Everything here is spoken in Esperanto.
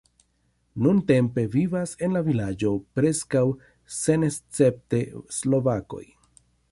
Nuntempe vivas en la vilaĝo preskaŭ senescepte slovakoj.